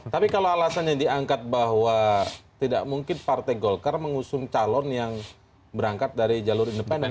tapi kalau alasannya diangkat bahwa tidak mungkin partai golkar mengusung calon yang berangkat dari jalur independen